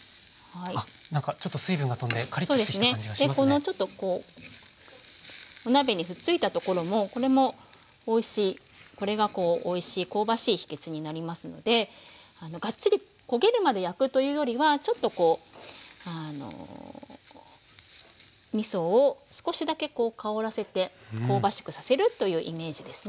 このちょっとこうお鍋にひっついたところもこれもおいしいこれがこうおいしい香ばしい秘けつになりますのでがっちり焦げるまで焼くというよりはちょっとこうあのみそを少しだけ香らせて香ばしくさせるというイメージですね。